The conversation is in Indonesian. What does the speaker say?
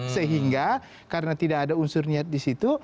sehingga karena tidak ada unsur niat disitu